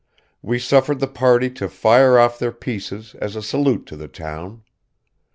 We suffered the party to fire off their pieces as a Salute to the Town.